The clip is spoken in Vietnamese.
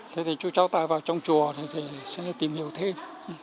thế thì chú trao tài vào trong chùa thì sẽ tìm hiểu thêm